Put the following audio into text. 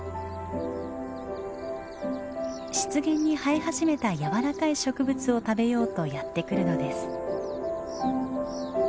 湿原に生え始めた柔らかい植物を食べようとやって来るのです。